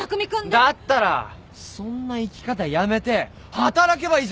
だったらそんな生き方やめて働けばいいじゃないか。